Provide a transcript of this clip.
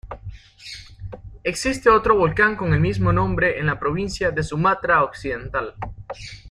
Existe otro volcán con el mismo nombre en la provincia de Sumatra Occidental.